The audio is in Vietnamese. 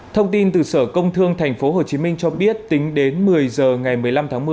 thông tin từ sở công thương tp hcm cho biết tính đến một mươi h ngày một mươi năm tháng một mươi